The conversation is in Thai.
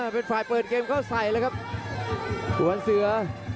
เป็นฝ่ายเปิดเกมเข้าใส่เลยครับผู้บันเสือ